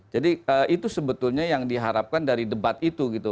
jadi itu sebetulnya yang diharapkan dari debat itu gitu